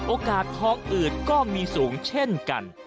โอกาสท้องอืดก็มีสูงเช่นกัน